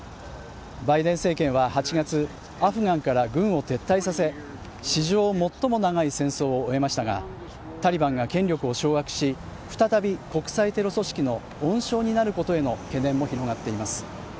バイデン政権は８月、アフガンから軍を撤退させ史上最も長い戦争を終えましたがタリバンが権力を掌握し再び国際テロ組織の温床になることへの懸念も広がっています。